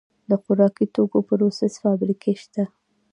د خوراکي توکو پروسس فابریکې شته